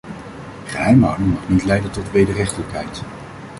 Geheimhouding mag niet leiden tot wederrechtelijkheid.